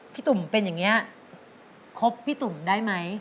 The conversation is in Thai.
พี่ตุ่มเป็นแบบนี้คบพี่ตุ่มได้ไหม